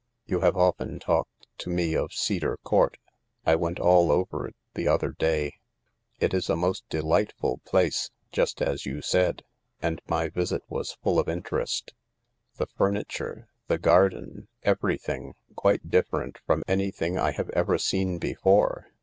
"You have often talked to me of Cedar Court. I went all over it the other day. It is a most delightful place, just as you said, and my visit was full of interest. The furniture, the garden— everything — quite different from anything I have ever seen before.